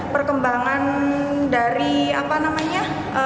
perkembangan dari apa namanya